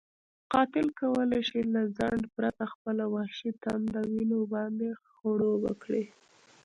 قاتل کولی شي له ځنډ پرته خپله وحشي تنده وینو باندې خړوبه کړي.